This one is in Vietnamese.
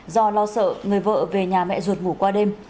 do lo sợ người vợ về nhà mẹ ruột ngủ qua đêm